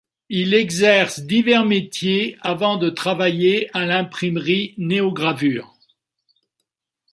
Il exerce divers métiers avant de travailler à l'imprimerie Néogravure.